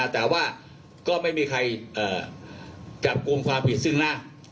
แต่ว่าก็ไม่มีใครจับกลุ่มความผิดซึ่งหน้า